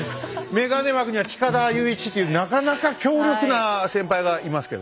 眼鏡枠には近田雄一っていうなかなか強力な先輩がいますけどね。